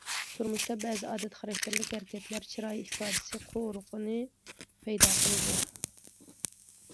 تۇرمۇشتا بەزى ئادەت خاراكتېرلىك ھەرىكەتلەر چىراي ئىپادىسى قورۇقىنى پەيدا قىلىدۇ.